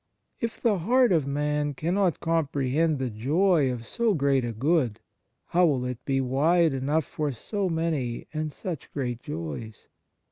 If the heart of man cannot comprehend the joy of so great a good, how will it be wide enough for so many and such great joys